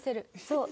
そう。